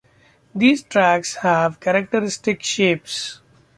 These tracks have characteristic shapes.